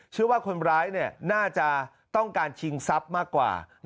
เชื่อว่าคนร้ายน่าจะต้องการชิงทรัพย์มากกว่า